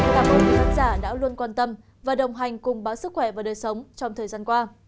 cảm ơn quý khán giả đã luôn quan tâm và đồng hành cùng báo sức khỏe và đời sống trong thời gian qua